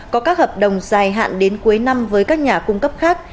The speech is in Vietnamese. có các hợp đồng dài hạn đến cuối năm với các nhà cung cấp khác